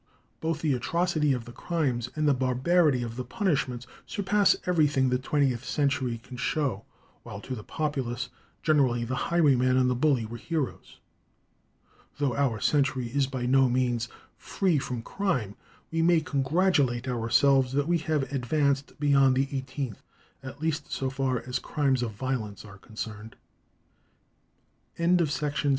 Both the atrocity of the crimes and the barbarity of the punishments surpass everything the twentieth century can show, while to the populace generally the highwayman and the bully were heroes. Though our century is by no means free from crime, we may congratulate ourselves that we have advanced beyond the eighteenth, at least so far as crimes of violence are concerned. END OF VOLUME I.